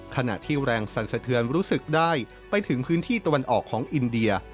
ขณะที่แรงสั่นสะเทือนรู้สึกได้ไปถึงพื้นที่ตะวันออกของอินเดีย